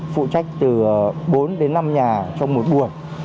phụ trách từ bốn đến năm nhà trong một buổi